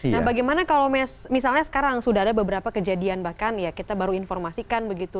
nah bagaimana kalau misalnya sekarang sudah ada beberapa kejadian bahkan ya kita baru informasikan begitu